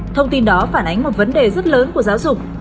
thông tin đó phản ánh một vấn đề rất lớn của giáo dục